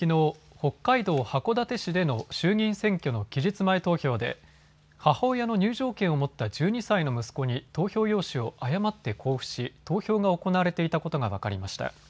北海道函館市での衆議院選挙の期日前投票で母親の入場券を持った１２歳の息子に投票用紙を誤って交付し、投票が行われていたことが分かりました。